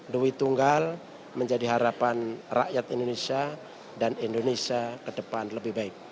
duit tunggal menjadi harapan rakyat indonesia dan indonesia ke depan lebih baik